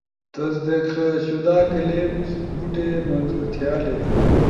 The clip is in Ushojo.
تصدیق شدہ کلپس، بوٹے منظور تھیالے